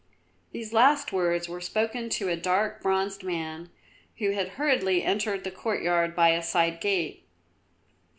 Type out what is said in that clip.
These last words were spoken to a dark, bronzed man who had hurriedly entered the courtyard by a side gate.